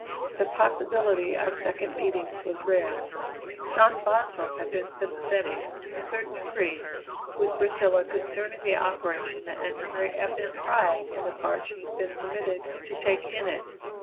The possibility of second meetings was rare. John Boswell had been sympathetic, to a certain degree, with Priscilla concerning the operation and her very evident pride in the part she had been permitted to take in it.